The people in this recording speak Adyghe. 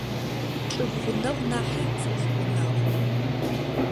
Чӏыгу гъунэгъу нахьи цӏыф гъунэгъу.